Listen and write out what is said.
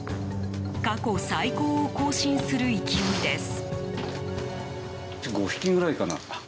過去最高を更新する勢いです。